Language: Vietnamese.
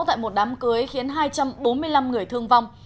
tại một đám cưới khiến hai trăm bốn mươi năm người thương vong